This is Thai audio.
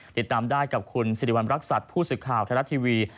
ติดตามได้กับคุณสิริวัณรักษัตริย์ผู้สื่อข่าวไทยรัฐทีวี